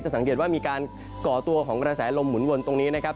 สังเกตว่ามีการก่อตัวของกระแสลมหมุนวนตรงนี้นะครับ